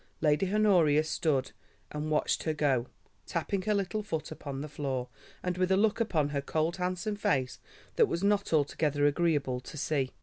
Lady Honoria stood and watched her go, tapping her little foot upon the floor, and with a look upon her cold, handsome face that was not altogether agreeable to see.